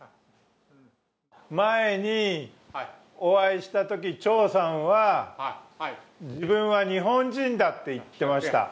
前にお会いしたとき、趙さんは自分は日本人だって言ってました。